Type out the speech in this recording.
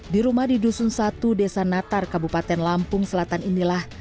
di rumah di dusun satu desa natar kabupaten lampung selatan inilah